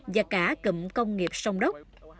và cả cầm công nghiệp sông đốc